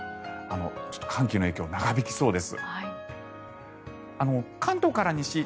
ちょっと寒気の影響が長引きそうです。